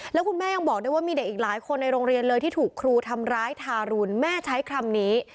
แล้วคุณแม่ยังบอกด้วยว่ามีเด็กอีกหลายคนในโรงเรียนเลยที่ถูกครูทำร้ายทารุณแม่ใช้คำนี้